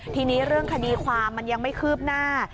ทีนี้เรื่องคดีความมันยังไม่คืบหน้า